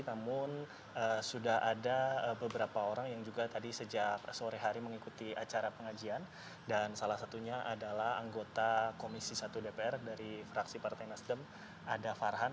namun sudah ada beberapa orang yang juga tadi sejak sore hari mengikuti acara pengajian dan salah satunya adalah anggota komisi satu dpr dari fraksi partai nasdem ada farhan